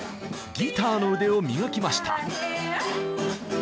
ギターの腕を磨きました。